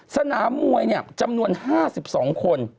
สนามมวยจำนวน๕๒คน